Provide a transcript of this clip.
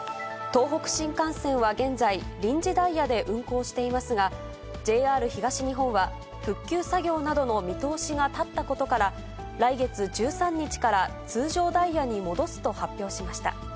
東北新幹線は現在、臨時ダイヤで運行していますが、ＪＲ東日本は、復旧作業などの見通しが立ったことから、来月１３日から通常ダイヤに戻すと発表しました。